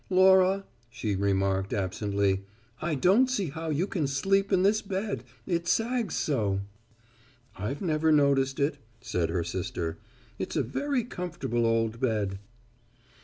"Laura," she remarked absently, "I don't see how you can sleep in this bed; it sags so." "I've never noticed it," said her sister. "It's a very comfortable old bed."